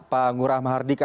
pak ngurah mahardika